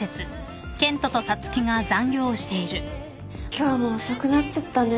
今日も遅くなっちゃったね。